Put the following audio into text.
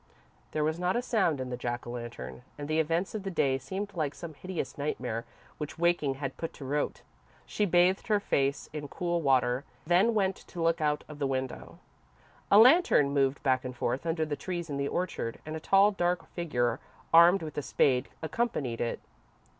There was not a sound in the Jack o' Lantern, and the events of the day seemed like some hideous nightmare which waking had put to rout. She bathed her face in cool water, then went to look out of the window. A lantern moved back and forth under the trees in the orchard, and a tall, dark figure, armed with a spade, accompanied it.